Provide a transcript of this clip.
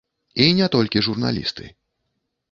І не толькі журналісты.